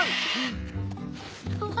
うわ！